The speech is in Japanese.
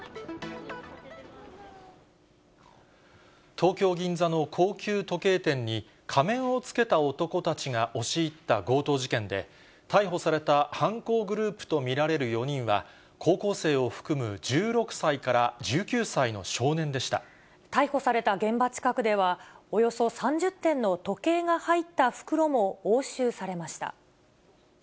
東京・銀座の高級時計店に、仮面をつけた男たちが押し入った強盗事件で、逮捕された犯行グループと見られる４人は、高校生を含む１６歳から１９歳の少年でし逮捕された現場近くでは、およそ３０点の時計が入った袋も押収されました。